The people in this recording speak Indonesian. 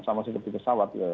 sama seperti pesawat